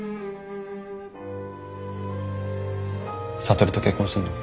智と結婚するの？